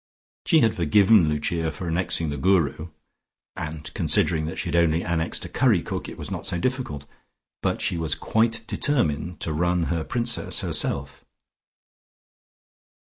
She had forgiven Lucia for annexing the Guru (and considering that she had only annexed a curry cook, it was not so difficult) but she was quite determined to run her Princess herself.